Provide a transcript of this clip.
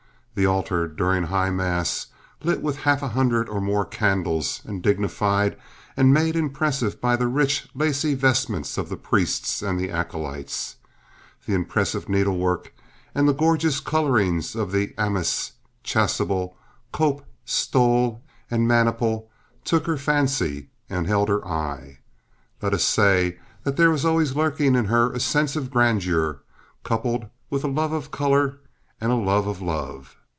The altar, during high mass, lit with a half hundred or more candles, and dignified and made impressive by the rich, lacy vestments of the priests and the acolytes, the impressive needlework and gorgeous colorings of the amice, chasuble, cope, stole, and maniple, took her fancy and held her eye. Let us say there was always lurking in her a sense of grandeur coupled with a love of color and a love of love.